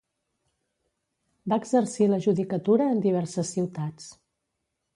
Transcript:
Va exercir la judicatura en diverses ciutats.